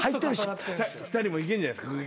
２人もいけんじゃないすか。